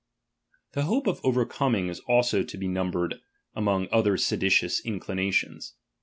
The hope of overcoming is also to be num bered among other seditious incUnations.